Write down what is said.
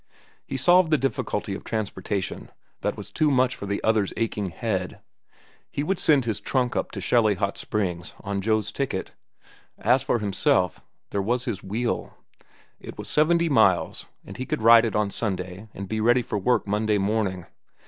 He solved the difficulty of transportation that was too much for the other's aching head. He would send his trunk up to Shelly Hot Springs on Joe's ticket. As for himself, there was his wheel. It was seventy miles, and he could ride it on Sunday and be ready for work Monday morning.